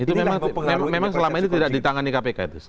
itu memang selama ini tidak ditangani kpk itu